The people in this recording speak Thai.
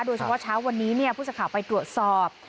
โดยเฉพาะเช้าวันนี้ผู้สื่อข่าวไปตรวจสอบ